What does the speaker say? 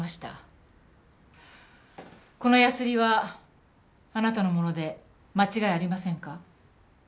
このヤスリはあなたのもので間違いありませんか？